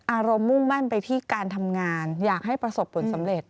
อารมณ์มุ่งแม่นไปที่การทำงานอยากให้ประสบปลอดสำเร็จ